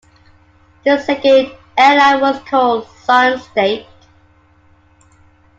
This second airline was called Sunstate.